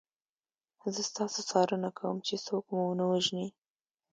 زه ستاسو څارنه کوم چې څوک مو ونه وژني